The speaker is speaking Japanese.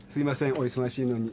お忙しいのに。